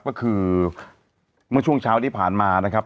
ก็คือเมื่อช่วงเช้าที่ผ่านมานะครับ